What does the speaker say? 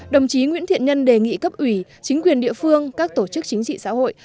đồng chí nguyễn thiện nhân đề nghị cấp ủy chính quyền địa phương các tổ chức chính trị xã hội